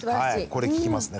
これ効きますね